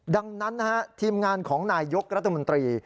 ดังนั้นนะฮะทีมงานของนายยกรัฐมนตรี